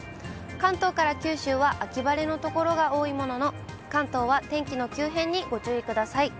関東から九州は秋晴れの所が多いものの、関東は天気の急変にご注意ください。